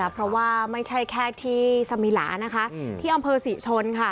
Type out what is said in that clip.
เพราะว่าไม่ใช่แค่ที่สมิลานะคะที่อำเภอศรีชน